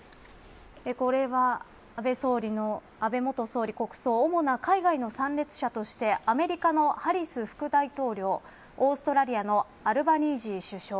これは、安倍元総理、国葬主な海外の参列者としてアメリカのハリス副大統領オーストラリアのアルバニージー首相